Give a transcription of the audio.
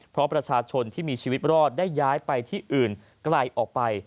เพราะประชาชนที่มีชีวิตรอดได้ย้ายไปที่อื่นไกลออกไป